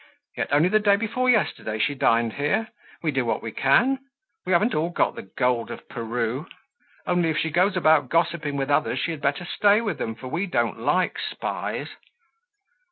Yet only the day before yesterday she dined here. We do what we can. We haven't got all the gold of Peru. Only if she goes about gossiping with others she had better stay with them, for we don't like spies."